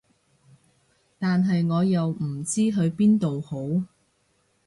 但係我又唔知去邊度好